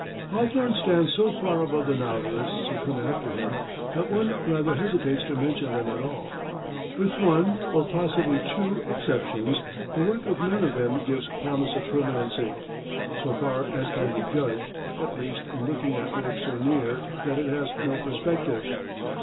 Hawthorne stands so far above the novelists who come after him that one rather hesitates to mention them at all. With one, or possibly two, exceptions, the work of none of them gives promise of permanency so far as can be judged, at least, in looking at work so near that it has no perspective.